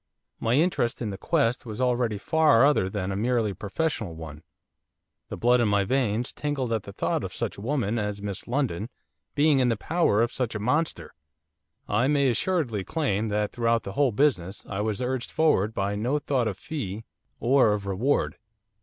My interest in the quest was already far other than a merely professional one. The blood in my veins tingled at the thought of such a woman as Miss Lindon being in the power of such a monster. I may assuredly claim that throughout the whole business I was urged forward by no thought of fee or of reward.